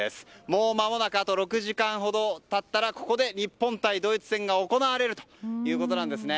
もうまもなくあと６時間ほど経ったらここで日本対ドイツ戦が行われるということです。